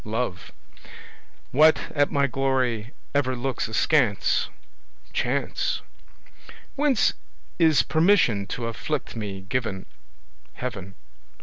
Love. What at my glory ever looks askance? Chance. Whence is permission to afflict me given? Heaven.